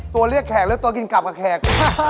เรียกแขกแล้วตัวกินกลับกับแขก